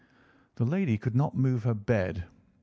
"The lady could not move her bed.